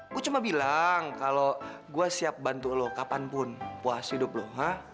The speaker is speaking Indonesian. gua cuma bilang kalau gua siap bantu lu kapanpun puas hidup lu ha